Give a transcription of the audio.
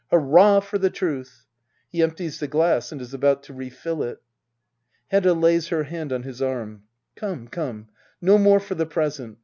Hurrah for the truth I [He empties the glass and is about to re fill it, Hedda. [Lays her hand on his arm»] Come, come — no more for the present.